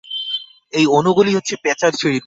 এই অণুগুলি হচ্ছে প্যাচাল সিঁড়ির মতো।